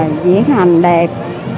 là diễn hành đẹp